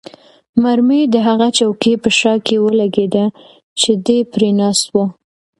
مرمۍ د هغه چوکۍ په شا کې ولګېده چې دی پرې ناست وو.